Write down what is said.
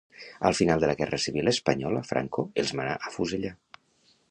Al final de la guerra civil espanyola, Franco els manà afusellar.